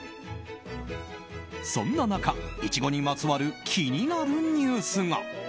そんな中、イチゴにまつわる気になるニュースが。